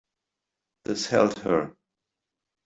This held her.